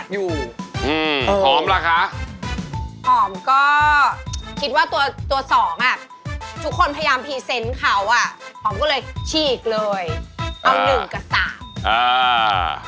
ฝอมก็เลยฉีกเลยเอา๑กับ๓อ่าอ่า